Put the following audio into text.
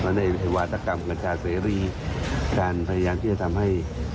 และในวาตกรรมกัญชาเสรีการพยายามที่จะทำให้